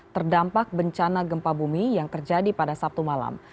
terdampak bencana gempa bumi yang terjadi pada sabtu malam